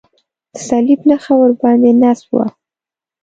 د صلیب نښه ورباندې نصب وه.